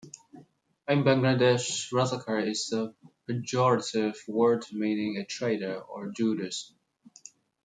In Bangladesh, razakar is a pejorative word meaning a traitor or Judas.